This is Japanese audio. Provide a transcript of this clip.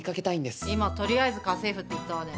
今「とりあえず家政夫」って言ったわね。